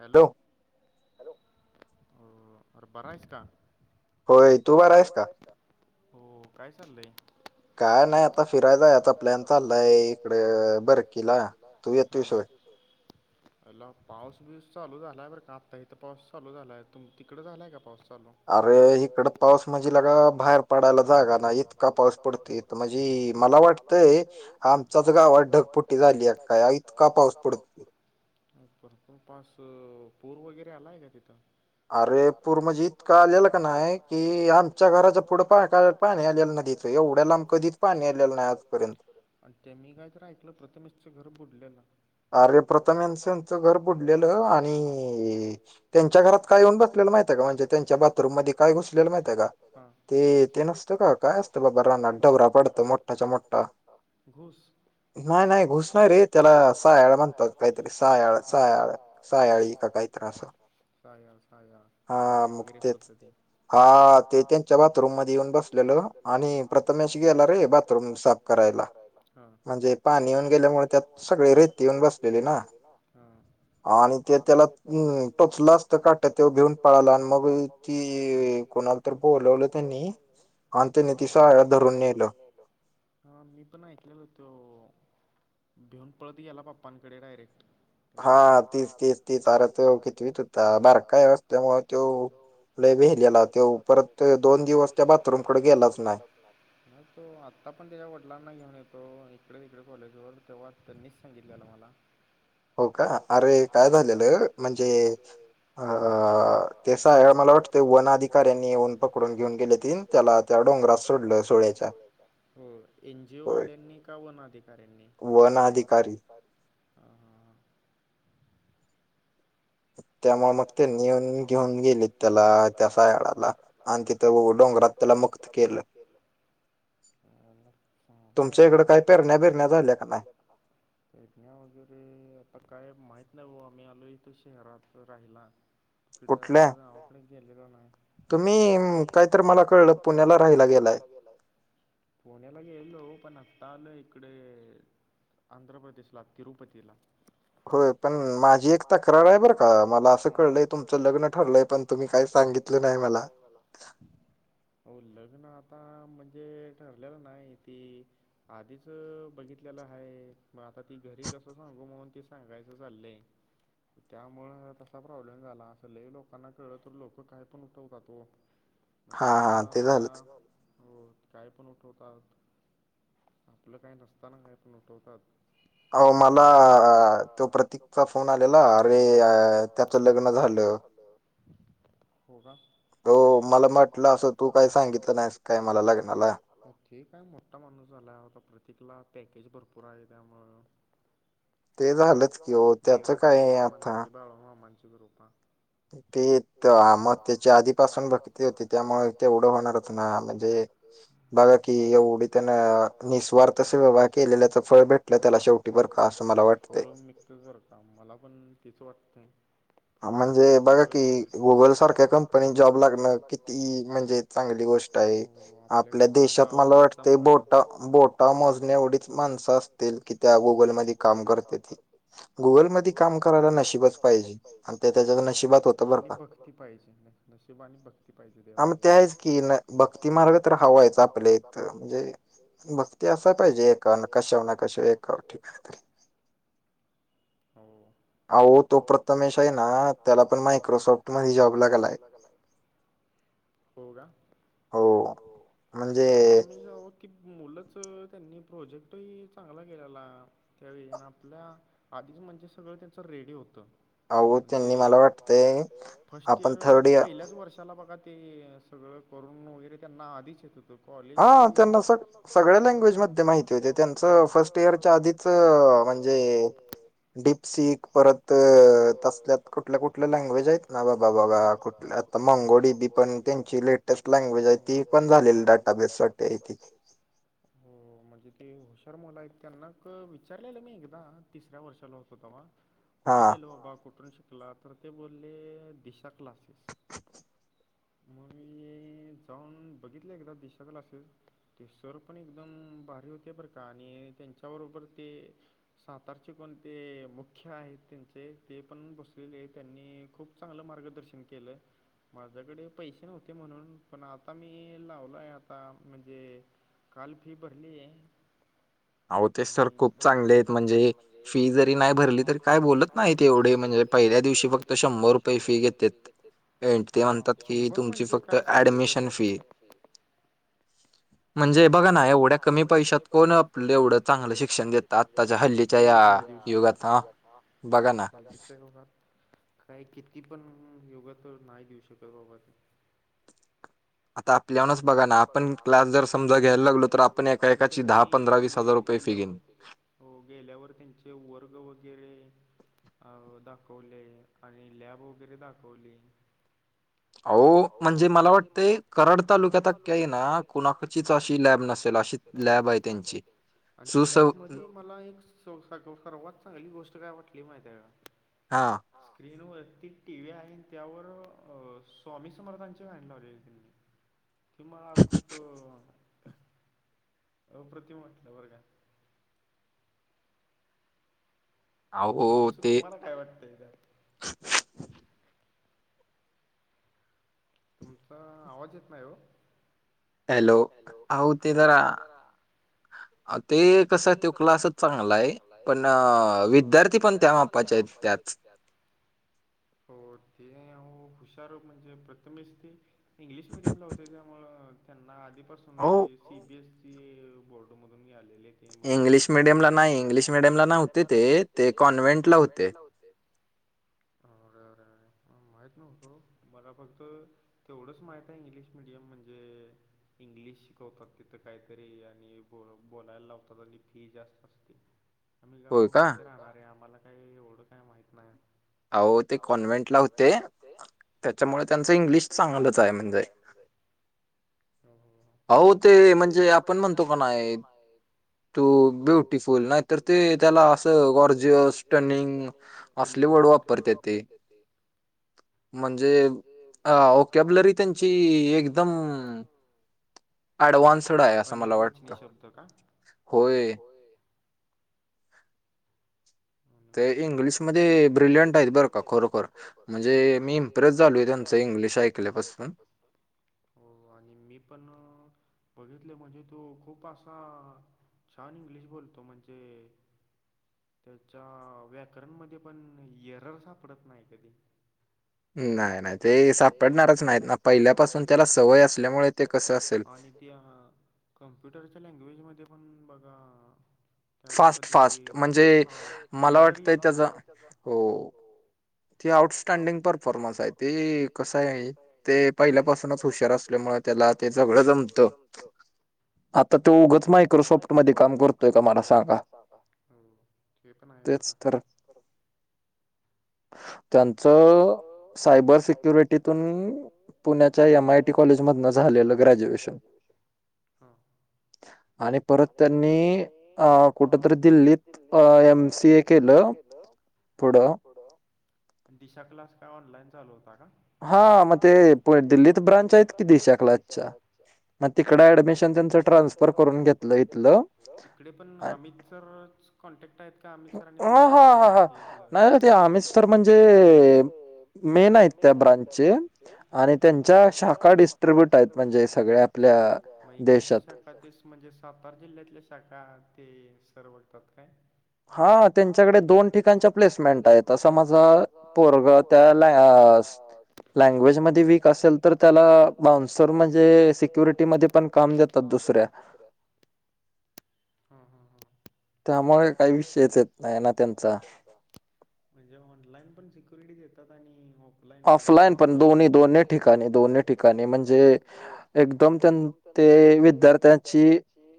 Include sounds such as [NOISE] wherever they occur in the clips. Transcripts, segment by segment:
Hello अ अरे बरा आहेस का? होय तू बरा आहेस का? हो काय चाललंय. काय नाही आता फिरायलाय आता प्लॅन चाललाय इकडे बरकीला. [UNINTELLIGIBLE] उस चालू झाला आहे बर का आत्ता इथं पाऊस चालू झाला आहे तुम तिकडं झाला आहे का पाऊस चालू अरे इकड पाऊस म्हणजे लेका बाहेर पडायला जागा नाय इतका पाऊस पडतय इकड. तर म्हणजे मला वाटतंय आमच्याच गावात ढगफुट्टी झाली आहे काय इतका पाऊस पडतय. [INAUDIBLE] भरपूर पाऊसे पूर वगैरे आलाय का तिथं? अरे पूर म्हणजे इतका आलेला का नाय की आमच्या घराच पुढं पाटाला पाणी. ना एवढ्या लांब कधीच पाणी आले नाय आज पर्यंत. आणि त्ये मी कायतरी ऐकलं प्रथमेशचं घर बुडलेलं. त्यांच घर फुटलेलं आणि अ त्यांच्या घरात काय होऊन बसलेलं माहिती आहे का म्हणजे त्यांच्या बाथरूम मध्ये काय गोष्ट ते तुला माहितीये का ते नसत का रानात डबरा पडते मोठाचा मोठा. घुस नाही नाही घुस नाही रे त्याला साळवा म्हणतात काहीतरी. साळवा साळव हा काटे वगैरे पडत्यात त्यात. हा ते त्यांच्या बाथरूम मध्ये येऊन बसलेल आणि प्रथमेश गेला रे बाथरूम साफ करायला म्हणजे पाणी येऊन गेल्यामुळे त्यात सगळे रेती येऊन बसलेली ना. हां. आणि ते त्याला टोचल असत काट तर धुम पळालन आणि मग कि. कोणाला तरी बोलवल त्यांनी आणि त्यांनी ते साळव धरून नेलं. हा मी पण ऐकलेल होत भिऊन पळत गेला पप्पांकडे डायरेक्ट. त्याज्या हा हा ते ते बारावीत कितवीत होता बारका असल्यामुळे तो लय बाई गेला तो दोन दिवस भरपूर गेला असणार. नाही तो आत्ता पण त्याच्या वडिलांना घेऊन येतो इकडेच तिकडे कॉलेजवर तेव्हा त्यांनीच सांगितलेलं मला. हो का अरे काय झालेले म्हणजे अ कस आहे मला वाटतं वन अधिकाऱ्यांनी वन पकडून घेऊन गेले की. त्याला आता डोंगरात सोडल की हो एन जीओ वाल्यांनी का वन अधिकाऱ्यांनी? वन अधिकारी. अआआ. त्यामुळे मग ते नेऊन घेऊन गेले त्याला त्या साळव्याला आणि ते हो डोंगरात त्यालामुक्त केलं. तुमच्या इकडे काही पेरण्या बिरण्या झाल्यात का? पेरण्या वगैरे आता काय माहीत नाही आम्ही आलो इथं शहरात राहिला. तिकड आता गावाकड गेलो का नाय. तुम्ही काहीतर मला कळलं पुण्याला राहायला गेलाय. पुण्याला गेलेलो पण आता आलोय इकड. आंध्र प्रदेशला तिरूपतीला. होय पण माझी एक तक्रार आहे बरं का मला असं कळलंय तुमचं लग्न ठरलंय पण तुम्ही काही सांगितलं नाही मला. हो लग्न आता म्हणजे ठरलेलं नाही ती आधीच अ बघितलेलं आहे मग आता ती घरी कसं सांगू म्हणून ते सांगायचं चाललंय. त्यामुळे तसा प्रॉब्लेम झाला अस लय लोकांना कळलं तर लोक काय पण उठवतात ओ. मग त्यामुळ आता हो काय पण उठवतात आपलं काही नसताना काय पण उठवतात. हो मला तो प्रतिकचा फोन आल अरे त्याच लग्न झाल. हो का हो मला म्हटलं असं तू काय सांगितलं नाहीस का मला लग्न ओके काय मोठा माणूस झाला होता प्रतीकला पॅकेज भरपूर आहे त्यामुंळ... ते झालंच कि हो त्याच काय..... नाही ती बाळूमामांची कृपा. ते त्याआम्हा त्याच्या आधीपासून भक्ती आहे त्यामुळे तेवढ होणारच ना आम्हाला. बघा कि एवढी जण निस्वार्थ सेवा केलेल्याचा.... फळ भेटलं त्याला शेवटी फळ मत का मला पण तिच वाटतंय.... म्हणजे बघा की गुगल सारख्या कंपनी जॉब लागण किती म्हणजे.... चांगली गोष्ट आहे आपल्या देशात मला वाटते बोटा बोटा मोजणे एवढीच माणसं.... की त्या गुगल मध्ये काम करते गुगल मध्ये काम करायला नशीबच पाहिजे.... नशिबानी भक्ती पाहिजे नशिबानी भक्ती पाहिजे देवावर.... तीन भक्ती मार्ग तर हवायचा आपले... बक्की असा पाहिजे ए कशाना कशा एक..... हो... अहो तो प्रथमेश आहे ना ना त्याला पण मायक्रोसॉफ्ट म जॉब लागला आहे.... हो का परत म... कि मुलंच त्यांनी प्रोजेक्टही चांगला केलेला.... त्यावेळी आणि आपल्या आधीच म्हणजे सगळं त्यांचं रेडी होतं..... म्हणजे वा फर्स्ट इयर म्हणजे पहिल्याच वर्षाला बघा ते..... सगळं करून वगैरे त्यांना आधीच येत होतं..... कॉलेजना सग्या ल्ज म मा फर्ट इयर..... आधीच म्हणजे..... डीप..... सीख परत तसल्यात कुठल्या कुठल्या लँग्वेज आहेत ना बाबा बाबा कुठल्या... मंगोळी बी पण त्यांची लेटेस्ट लँग्वेज आहे ती पण झालेली डाटाबेससाठी आहे..... हो म्हणजे ते हुशार मुला आहेत त्यांना क विचारलेलं मी एकदा तिसऱ्या वर्षाला होत.... होतवा कठ केलो बा बाबा कुट्रण श.... ला तर ते बोलले दिशा क्लासेस.... मग मी जाऊन बघितले एकदा दिशा क्लासेस..... ते सर पण एकदम भारी होते बरं का आणि त्यांच्याबरोबर ते...... सातारचे पण ते..... मुख्य आहेत त्यांचे ते पण बसलेले आहे त्यांनी खूप चांगलं मार्गदर्शन केलं... माझ्याकडे पैसे नव्हते म्हणून पण आता मी लावलाय आता म्हणजे.... काल फी भरली आहे म्हणजे...... फी जरी नाही भरली तरी काय बोलत नाही एवढे म्हणजे पहिल्या दिवशी फक्त शंभर रुपये फी घेतेत.... हा हा शंभर म्हणजे काहीच नाही ओ त्यासाठी..... म्हणजे बघा ना एवढ्या कमी पैशात कोण..... आपलं एवढं चांगलं शिक्षण देतं आत्ताच्या हल्लीच्या या युगात बघा ना... काही किती पण युग तर नाही देऊ शकत बाबा ते.... [INAUDIBLE] आता आपल्यानच बघा ना आपण क्लास जर समजा घ्यायला लागलो तर आपण एका एकाची दहा पंधरा वीस हजार रुपये फी घेईल... हो गेल्यावर त्यांचे वर्ग वगैरे..... अ दाखवले आणि लॅब वगैरे दाखवली..... अ हो म्हणजे मला वाटतं कराड तालुक्यात अख्या ना कुणाचीच अशी लॅब नसते.... लॅब आहे त्यांची आणि त्या लॅब मध्ये...... मला एक सर्वात चांगली गोष्ट काय वाटली माहिती आहे का.... हा... स्क्रीनवरर ती टी व्ही आहे त्यावर अ स्वामी समर्थांची ॲड लावलेली त्यांनी..... [INAUDIBLE] हि मला खूप.... अ प्रतिम वाटलं बर का.... तुम्हाला काय वाटतंय.... तुमचा आवाज येत नाही हो. हॅलो हा ओके करा...... ते कसं त क्लासच चांगला आहे पण विद्यार्थी पण त्या माप्पाचे आहेत. त्यात [UNINTELLIGIBLE] सो ते हुशार म्हणजे प्रथमेच ती इंग्लिश मिडियमला होते त्यामुळ त्यांना आधीपासून फीज सी बीएस ची बोर्ड मधून घ आले. इंग्लिश मिडियमला नाही इंग्लिश मिडियम ला नाही होते ते ते कॉन्व्हेंट ला होते [UNINTELLIGIBLE] होरेरेरे. माहीत नव्हतं मला फक्त तेवढंच माहीत आहे इंग्लिश मिीडियम म्हणजे. इंग्लिश शिकवतात तिथं काहीतरी आणि ब बोलायला लावतात आणि फी जास्त असते. [UNINTELLIGIBLE] आम्ही गावाकडची राहणार या मला काही एवढ काय माहित नाही. हो ते कॉन्व्हेंट ला होते त्याच्यामुळे त्यांचं इंग्लिश चांगलंच आहे म्हणजे हो ते म्हणजे आपण म्हणतो कोण आहे. तू ब्युटीफुल नाही तर ते त्याला असं गॉर्ज्टनिंग चे वडू वापरते ते म्हणजे अ ओकॅब्लरी त्यांची एकदम ऍडव्हान्सड आहे असं मला वाटत होय. इंग्लिशमध्ये ब्रिलियंट आहेत बरं का खरोखर म्हणजे मी इम्प्रेस झालो इ स इंग्लिश ऐकलं फस्त [UNINTELLIGIBLE] हो आणि मी पण बघितले म्हणजे तो खूप असा. छान इंग्लिश बोलतो म्हणजे त्याच्या व्याकरणमध्ये पण एरर सापडत नाही कधी नाही नाही ते सापडणारच नाहीत ना पहिल्या पासून त्याला सवय असल्यामुळे ते कस. त्या कम्प्युटरच्या लँग्वेजमध्ये पण बघा. त्याला कधी यरर येत नाही हो ते आउटस्टँडिंग परफॉर्मन्स आहे ते कस आहे ते पहिल्यापासूनच हुशार असल्यामुळे त्याला ते सगळं जमतं. आता ते उगच नाही कर शॉपर मध्ये काम करतोय का मला सांगा हे पण आहे बर का ब त्यांचं सायबर सिक्युरिटीतून पुण्याच्या या मायटी कॉलेज मधन झालेलं ग्रॅज्युएशन आणि परत त्यांनी अ कुठंतरी दिल्लीत एमसी ए के हॅलो. इपड. फथडं. दिशा क्लास काय ऑनलाईन चालू होता का? हा मग ते पु दिल्लीत ब्रांच आहेत कि दिशा कलादच्या तिकड ऍडमिशन त्यांच ट्रान्सफर करून घेतलं इथ तडे पण आम् कॉन्टॅक्ट आहेत का अमरनी तिथला म्हणजे आहेत त्या ब्रँच चे आणि त्यांच्या शाखा डिस्टब्यट आहेत म्हणजे म ईकडच्या स म्हणजे सातारा जिल्ह्यातल्या शाखा ते सरवळतात काय हा त्यांच्याकडे दोन ठिकाणच्या प्लेसमेंट आहेत असं माझं. ल्ज वक असेल. त्याला बान्सर म्हणजे सिक्युरिटीमध्ये पण काम देतात दुसऱ्या [UNINTELLIGIBLE] हा हा. ते आम्हाला काहीष येत येत नाही ना त्यांचा म्हणजे ऑनलाइन पण सिक्युरिटी देतात आणि ् प्ड पण दोन्ही दोन् ठिकाणी दोन्ही ठिकाणी म्हणजे एकदम. विद्यार्थ्यां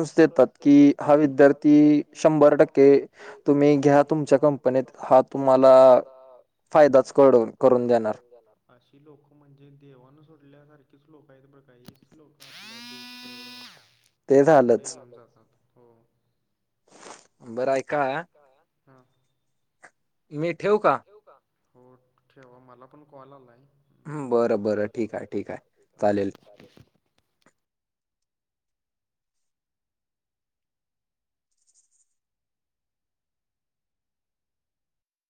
अशुनस देतात कि हा. तर ती शंभर टक्के तुम्ही घ्या तुमच्या कंपनीत हा तुम्हाला फायदाच फायदाच कून करून घेणार. अशी लोकं म्हणजे देवानं सोडल्यासारखीच लोकं आहेत बर काहीच लोक. [UNINTELLIGIBLE] पुढे जातात हो बरं. बरं ऐका. मी ठेव का? ठ का हो ठेवा मला पण कॉल आलाय. बर बरं ठीक आहे ठीक आहे चालेल.